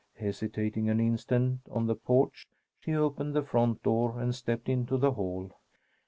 Hesitating an instant on the porch, she opened the front door and stepped into the hall.